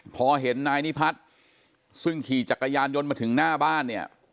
พอเห็นนายนิพัฒน์ซึ่งขี่จักรยานยนต์มาถึงหน้าบ้านเนี่ย